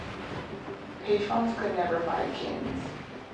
Patrons could even buy kittens.